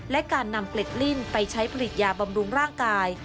และการนำเกล็ดลิ้นไปใช้ผลิตยาบำรุงร่างกาย